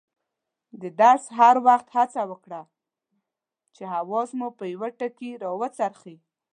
د درس په وخت هڅه وکړئ چې حواس مو په یوه ټکي راوڅرخي.